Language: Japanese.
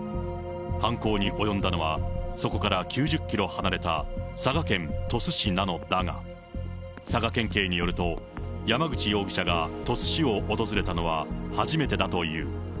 犯行に及んだのは、そこから９０キロ離れた佐賀県鳥栖市なのだが、佐賀県警によると、山口容疑者が鳥栖市を訪れたのは初めてだという。